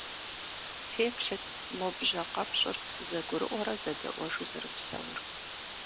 Феплъыт, мо бжьэ къэпщӀыр зэгурыӀуэрэ зэдэӀуэжу зэрыпсэур.